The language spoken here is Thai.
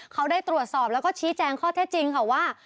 เขาได้ตรวจสอบแล้วก็ชี้แจงข้อเท็จจริงค่ะว่า